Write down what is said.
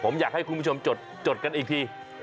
ผมอยากให้คุณผู้ชมจดกันอีกที